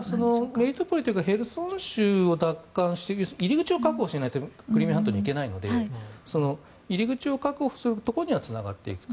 メリトポリというかヘルソン州を奪回して入り口を確保しないとクリミア半島に行けないので入り口を確保するところにはつながっていくと。